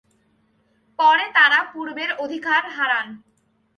পরে তাঁরা পূর্বের অধিকার হারান।